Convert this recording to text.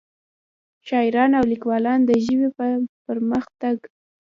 شاعران او ليکوال دَ ژبې پۀ پرمخ تګ